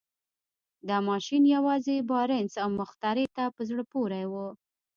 دا ماشين يوازې بارنس او مخترع ته په زړه پورې و.